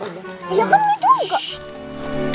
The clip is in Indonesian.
iya kan lu juga